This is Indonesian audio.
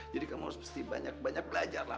jadi kamu harus pasti banyak banyak belajar lah